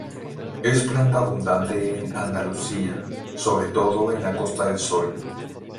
Es planta abundante en Andalucía, sobre todo en la Costa del Sol.